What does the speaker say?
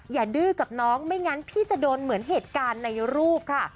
ดื้อกับน้องไม่งั้นพี่จะโดนเหมือนเหตุการณ์ในรูปค่ะ